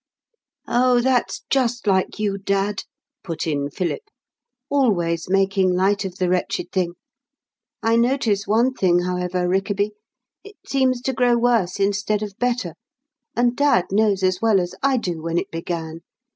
"Oh, that's just like you, dad," put in Philip, "always making light of the wretched thing. I notice one thing, however, Rickaby, it seems to grow worse instead of better. And dad knows as well as I do when it began.